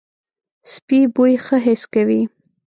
سپي بوی ښه حس کوي.